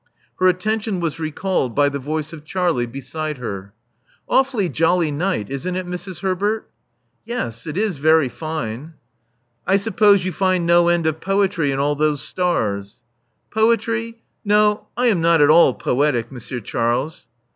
Her attention was recalled by the voice of Charlie beside her. Awfully jolly night, isn't it, Mrs. Herbert?" Yes, it is very fine." I suppose you find no end of poetry in all those stars." Poetry! No, I am not at all poetic, Monsieur Charles."